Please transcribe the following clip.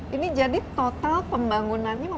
jadi yaudah kita yang penting pain jalan